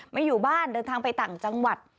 อยู่บ้านเดินทางไปต่างจังหวัด